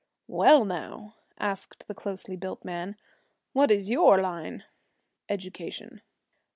'Well, now,' asked the closely built man, 'what is your line?' 'Education.'